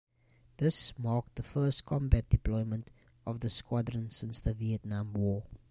This marked the first combat deployment of the squadron since the Vietnam War.